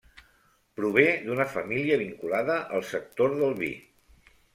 Prové d'una família vinculada al sector del vi.